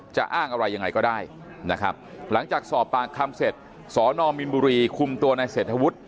จะอ้างอะไรยังไงก็ได้นะครับหลังจากสอบปากคำเสร็จสอนอมินบุรีคุมตัวในเศรษฐวุฒิ